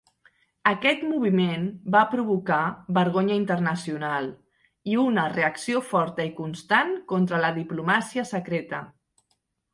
Aquest moviment va provocar vergonya internacional, i una reacció forta i constant contra la diplomàcia secreta.